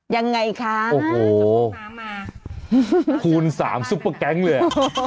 ยังไงคะโอ้โหคูณสามซุปเปอร์แกงค์เลย